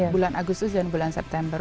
bulan agustus dan bulan september